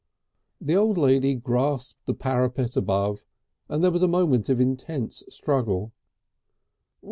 The old lady grasped the parapet above, and there was a moment of intense struggle.